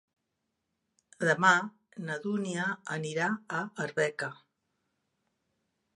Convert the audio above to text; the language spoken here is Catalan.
Demà na Dúnia anirà a Arbeca.